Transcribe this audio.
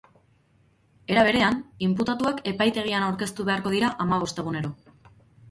Era berean, inputatuak epaitegian aurkeztu beharko dira hamabost egunero.